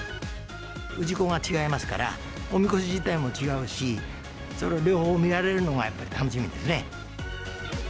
氏子が違いますから、おみこし自体も違うし、それを両方見られるのがやっぱり楽しみですね。